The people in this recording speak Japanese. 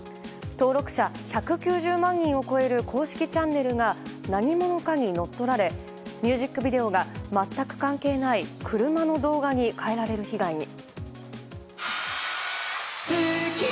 登録者１９０万人を超える公式チャンネルが何者かに乗っ取られミュージックビデオが全く関係ない車の動画に変えられる被害に。